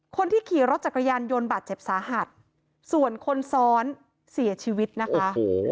คนที่ขี่รถจักรยานยนต์บาดเจ็บสาหัสส่วนคนซ้อนเสียชีวิตนะคะ